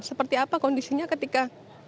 seperti apa kondisinya ketika